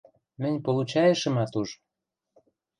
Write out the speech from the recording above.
Мӹнь получӓйышымат уж.